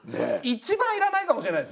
一番要らないかもしれないですね。